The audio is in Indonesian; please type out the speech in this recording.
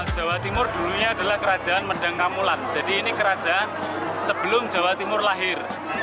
jawa timur dulunya adalah kerajaan medang kamulan jadi ini kerajaan sebelum jawa timur lahir